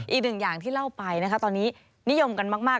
อีกหนึ่งอย่างที่เล่าไปตอนนี้นิยมกันมาก